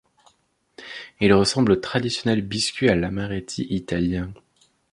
Ils ressemblent aux traditionnels biscuits à l'amaretti italien.